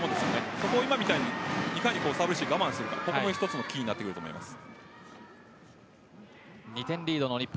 そこを、今みたいにいかにサーブして我慢するかが一つのキーになってくると思います。